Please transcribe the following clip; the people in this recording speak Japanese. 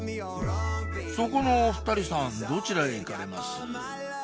そこのお２人さんどちらへ行かれます？